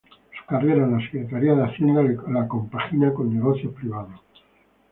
Su carrera en la Secretaría de Hacienda la compagina con negocios privados.